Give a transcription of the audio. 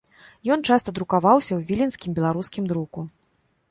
Ён часта друкаваўся ў віленскім беларускім друку.